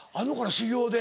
修業で。